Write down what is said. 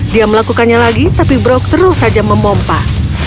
dia melakukannya lagi tapi brok terus saja memompah